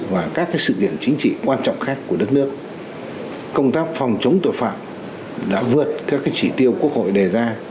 và các sự kiện chính trị quan trọng khác của đất nước công tác phòng chống tội phạm đã vượt các chỉ tiêu quốc hội đề ra